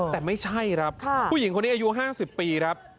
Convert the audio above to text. แต่ไม่ใช่ครับผู้หญิงคนนี้อายุ๕๐ปีครับ